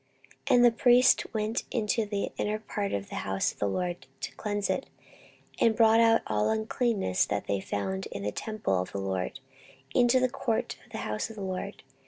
14:029:016 And the priests went into the inner part of the house of the LORD, to cleanse it, and brought out all the uncleanness that they found in the temple of the LORD into the court of the house of the LORD.